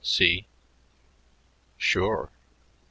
See?" "Sure."